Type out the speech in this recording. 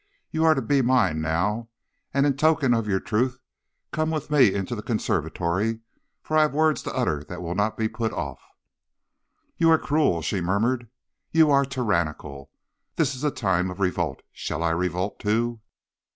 You are to be mine now, and in token of your truth come with me into the conservatory, for I have words to utter that will not be put off.' "'You are cruel,' she murmured, 'you are tyrannical. This is a time of revolt; shall I revolt, too?'